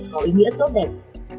có ý nghĩa tốt đẹp